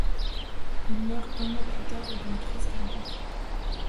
Il meurt un mois plus tard, d'une crise cardiaque.